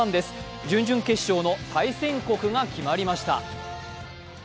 綬準決勝の対戦国が決まりました。